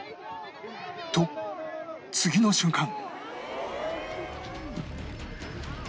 と次の瞬間